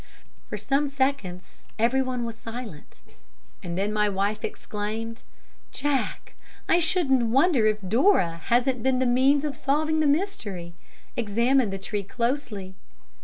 For some seconds everyone was silent, and then my wife exclaimed: "Jack, I shouldn't wonder if Dora hasn't been the means of solving the mystery. Examine the tree closely."